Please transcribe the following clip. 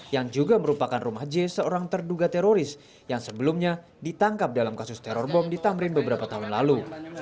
yang juga merupakan rumah j seorang terduga teroris yang sebelumnya ditangkap dalam kasus teror bom di tamrin beberapa tahun lalu